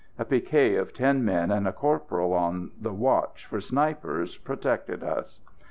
A picquet of ten men and a corporal, on the watch for snipers, protected us.